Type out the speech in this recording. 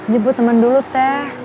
jebuk temen dulu teh